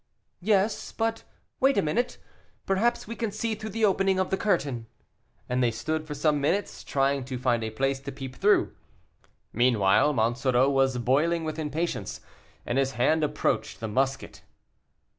"Yes, but wait a moment, perhaps we can see through the opening of the curtain." And they stood for some minutes trying to find a place to peep through. Meanwhile, Monsoreau was boiling with impatience, and his hand approached the musket.